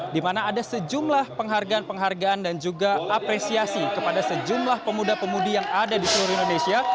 di mana ada sejumlah penghargaan penghargaan dan juga apresiasi kepada sejumlah pemuda pemudi yang ada di seluruh indonesia